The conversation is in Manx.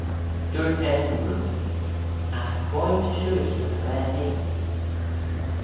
Dooyrt eshyn roo, Agh quoi ta shiuish dy ghra mee?